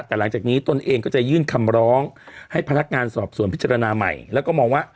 แต่หลังจากนี้ตนเองก็จะยื่นคำร้องให้พนักงานสอบสวนพิจารณาใหม่แล้วก็มองว่า